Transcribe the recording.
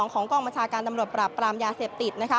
ของกองบัญชาการตำรวจปราบปรามยาเสพติด